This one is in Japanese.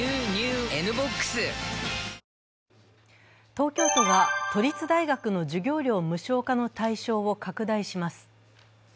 東京都が都立大学の授業料無償化の対象を拡大します。